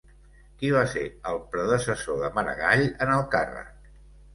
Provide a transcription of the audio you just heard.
Qui va ser el predecessor de Maragall en el càrrec?